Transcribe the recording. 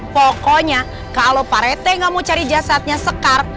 pokoknya kalau pak rt nggak mau cari jasadnya sekar